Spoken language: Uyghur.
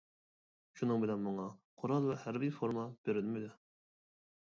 شۇنىڭ بىلەن ماڭا قورال ۋە ھەربىي فورما بېرىلمىدى.